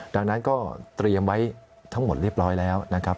ดังนั้นก็เตรียมไว้ทั้งหมดเรียบร้อยแล้วนะครับ